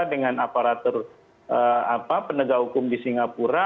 dengan aparatur penegak hukum di singapura